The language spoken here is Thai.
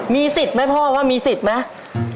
มีสิทธิ์ไหมพ่อว่ามีสิทธิ์ไหม